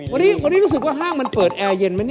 วันนี้รู้สึกว่าห้างมันเปิดแอร์เย็นไหม